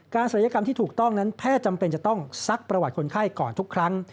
ศัลยกรรมที่ถูกต้องนั้นแพทย์จำเป็นจะต้องซักประวัติคนไข้ก่อนทุกครั้ง